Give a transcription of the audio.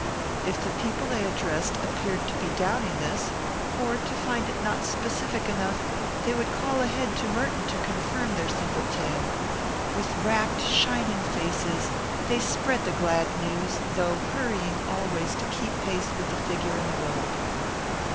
If the people they addressed appeared to be doubting this, or to find it not specific enough, they would call ahead to Merton to confirm their simple tale. With rapt, shining faces, they spread the glad news, though hurrying always to keep pace with the figure in the road.